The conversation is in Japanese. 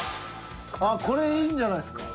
あっこれいいんじゃないすか。